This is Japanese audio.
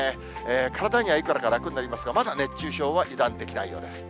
体にはいくらか楽になりますが、まだ熱中症は油断できないようです。